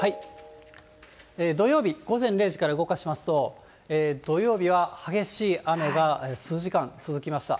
土曜日、午前０時から動かしますと、土曜日は激しい雨が数時間続きました。